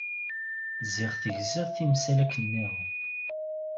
Ziɣen tegziḍ timsal akken-nniḍen.